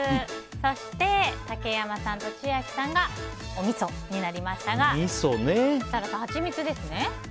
そして、竹山さんと千秋さんがおみそになりましたが設楽さん、ハチミツですね。